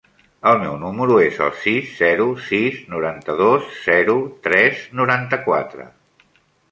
El meu número es el sis, zero, sis, noranta-dos, zero, tres, noranta-quatre.